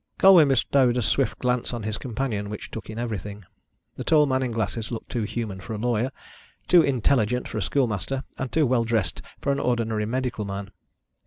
Colwyn bestowed a swift glance on his companion which took in everything. The tall man in glasses looked too human for a lawyer, too intelligent for a schoolmaster, and too well dressed for an ordinary medical man.